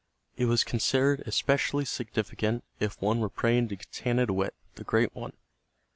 It was considered especially significant if one were praying to Getanittowit, the Great One.